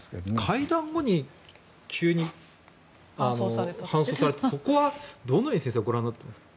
会談後に急に搬送されてそこはどのように先生、ご覧になっていますか。